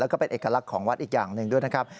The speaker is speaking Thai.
แล้วก็เป็นเอกลักษณ์ของวัดอีกอย่างหนึ่งด้วยนะครับ